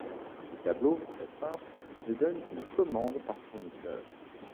Ce tableau très simple ne donne qu'une commande par fournisseur.